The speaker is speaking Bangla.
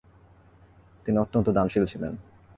তিনি অত্যন্ত দানশীল ছিলেন।